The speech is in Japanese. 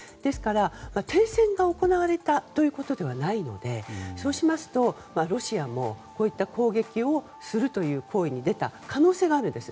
ですから停戦が行われたということではないのでそうしますとロシアも、こうした攻撃をするという行為に出た可能性があるんです。